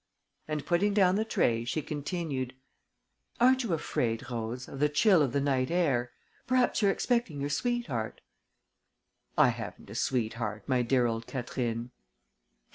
And, putting down the tray, she continued: "Aren't you afraid, Rose, of the chill of the night air? Perhaps you're expecting your sweetheart?" "I haven't a sweetheart, my dear old Catherine."